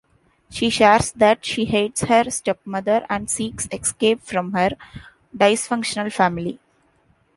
She shares that she hates her stepmother and seeks escape from her dysfunctional family.